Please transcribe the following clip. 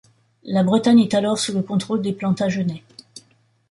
La Bretagne est alors sous le contrôle des Plantagenêts.